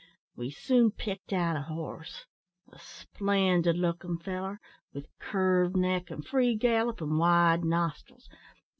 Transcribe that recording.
We soon picked out a horse a splendid lookin' feller, with curved neck, and free gallop, and wide nostrils.